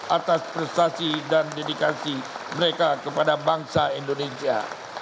atas prestasi dan dedikasi mereka kepada bangsa indonesia